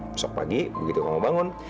besok pagi begitu kamu bangun